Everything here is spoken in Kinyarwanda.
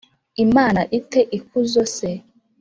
Imana ite ikuzo se